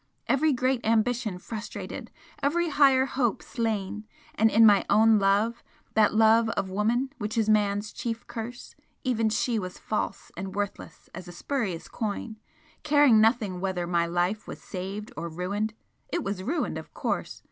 Every great ambition frustrated every higher hope slain! and in my own love that love of woman which is man's chief curse even she was false and worthless as a spurious coin caring nothing whether my life was saved or ruined it was ruined, of course!